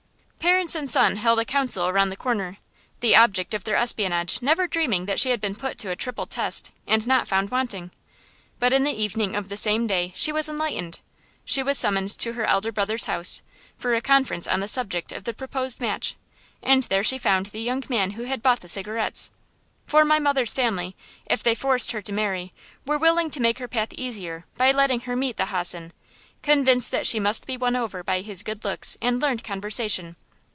Parents and son held a council around the corner, the object of their espionage never dreaming that she had been put to a triple test and not found wanting. But in the evening of the same day she was enlightened. She was summoned to her elder brother's house, for a conference on the subject of the proposed match, and there she found the young man who had bought the cigarettes. For my mother's family, if they forced her to marry, were willing to make her path easier by letting her meet the hossen, convinced that she must be won over by his good looks and learned conversation.